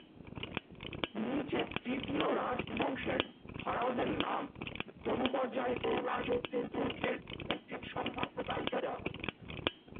নিচে তৃতীয় রাজবংশের ফারাওদের নাম, ক্রমপর্যায় ও রাজত্বের দৈর্ঘ্যের একটি সম্ভাব্য তালিকা দেওয়া হল।